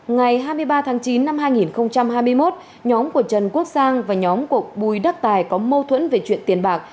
ngày hai mươi ba tháng chín năm hai nghìn hai mươi một nhóm của trần quốc sang và nhóm của bùi đức tài có mâu thuẫn về chuyện tiền bạc